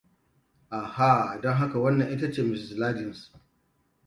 Aha, don haka wannan ita ce Mrs. Ladins!